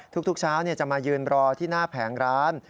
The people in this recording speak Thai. ทุกเช้าจะมายืนรอที่หน้าแผงร้าน